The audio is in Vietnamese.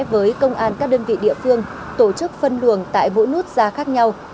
với công an các đơn vị địa phương tổ chức phân luồng tại mỗi nút ra khác nhau